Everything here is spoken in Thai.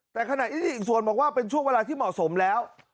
แต่ขณะที่อีกส่วนบอกว่าเป็นช่วงเวลาที่เหมาะสมแล้ว